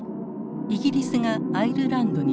イギリスがアイルランドに侵攻。